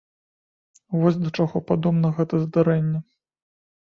Вось да чаго падобна гэта здарэнне.